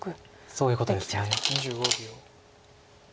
そういうことです。